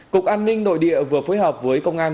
cục an ninh nội địa vừa phối hợp với công an